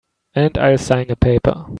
And I'll sign a paper.